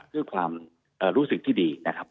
เพื่อความรู้สึกที่ดีนะครับ